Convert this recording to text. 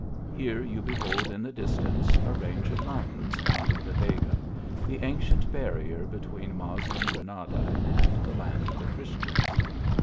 Here you behold in the distance a range of mountains bounding the Vega, the ancient barrier between Moslem Granada and the land of the Christians.